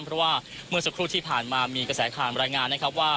เพราะว่าเมื่อสักครู่ที่ผ่านมามีกระแสข่าวรายงานนะครับว่า